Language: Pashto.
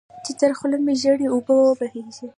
چې تر خوله مې ژېړې اوبه وبهېږي.